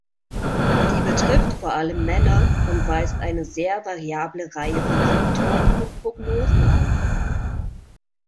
Sie betrifft vor allem Männer und weist eine sehr variable Reihe von Symptomen und Prognosen auf.